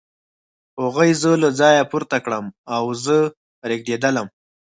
هغوی زه له ځایه پورته کړم او زه رېږېدلم